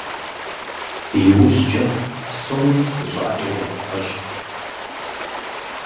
ИужькӀэ псори псы щӀыӀэкӀэ ятхьэщӀ.